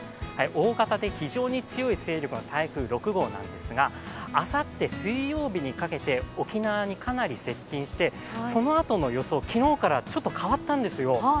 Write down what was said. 大型で非常に強い勢力の台風６号なんですがあさって水曜日にかけて沖縄にかなり接近して、そのあとの予想、昨日からちょっと変わったんですよ。